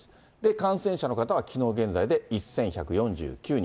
感染者の方はきのう現在で１１４９人。